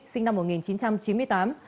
sinh năm một nghìn chín trăm chín mươi tám